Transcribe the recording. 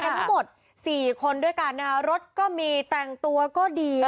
ทั้งทั้งหมดสี่คนด้วยกันอ่ะรถก็มีแต่งตัวก็ดีค่ะ